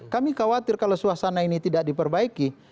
kami khawatir kalau suasana ini tidak diperbaiki